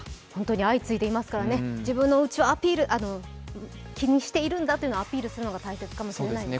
相次いでいますから自分のうちは気にしているんだというアピールするのが大切かもしれないですね。